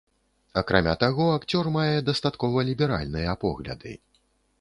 Акрамя таго, акцёр мае дастаткова ліберальныя погляды.